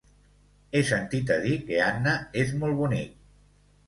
He sentit a dir que Anna és molt bonic.